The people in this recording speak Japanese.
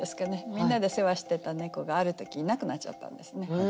みんなで世話してた猫がある時いなくなっちゃったんですね。